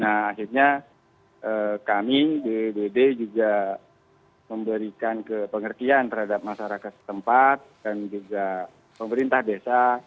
nah akhirnya kami bbbd juga memberikan kepengertian terhadap masyarakat tempat dan juga pemerintah desa